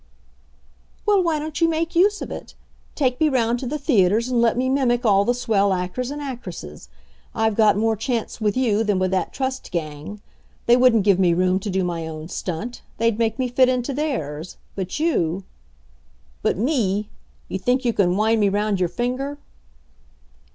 "Well, why don't you make use of it? Take me round to the theaters and let me mimic all the swell actors and actresses. I've got more chance with you than with that Trust gang. They wouldn't give me room to do my own stunt; they'd make me fit into theirs. But you " "But me! You think you can wind me round your finger?"